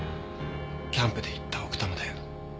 キャンプで行った奥多摩で。